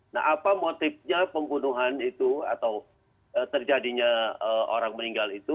nah apa motifnya pembunuhan itu atau terjadinya orang meninggal itu